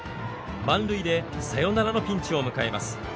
満塁でサヨナラのピンチを迎えます。